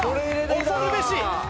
恐るべし！